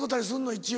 一応。